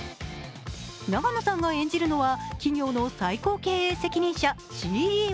永野さんが演じるのは企業の最高経営責任者・ＣＥＯ。